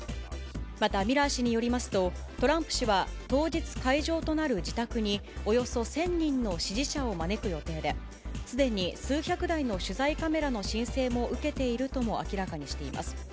また、ミラー氏によりますと、トランプ氏は、当日会場となる自宅におよそ１０００人の支持者を招く予定で、すでに数百台の取材カメラの申請も受けているとも明らかにしています。